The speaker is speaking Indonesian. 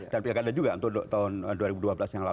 dan pilkada juga untuk tahun dua ribu dua belas